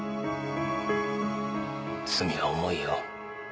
罪は重いよ。